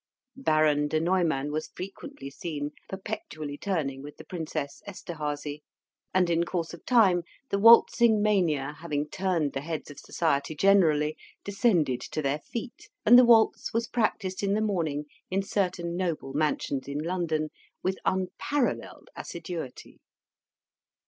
Baron de Neumann was frequently seen perpetually turning with the Princess Esterhazy; and, in course of time, the waltzing mania, having turned the heads of society generally, descended to their feet, and the waltz was practised in the morning in certain noble mansions in London with unparalleled assiduity.